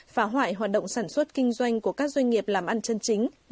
phá hoại hoạt động sản xuất kinh doanh của các doanh nghiệp làm ăn chân chính